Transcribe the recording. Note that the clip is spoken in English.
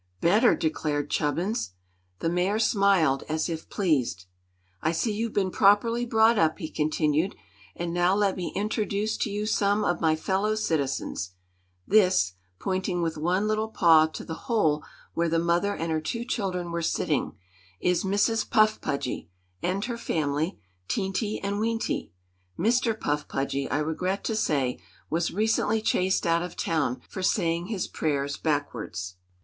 "Better!" declared Chubbins. The Mayor smiled, as if pleased. "I see you've been properly brought up," he continued; "and now let me introduce to you some of my fellow citizens. This," pointing with one little paw to the hole where the mother and her two children were sitting, "is Mrs. Puff Pudgy and her family Teenty and Weenty. Mr. Puff Pudgy, I regret to say, was recently chased out of town for saying his prayers backwards."